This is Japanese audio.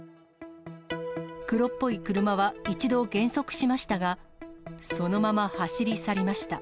黒っぽい車は一度、減速しましたが、そのまま走り去りました。